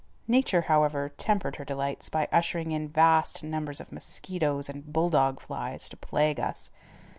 Nature, however, tempered her delights by ushering in vast numbers of mosquitoes and bull dog flies to plague us.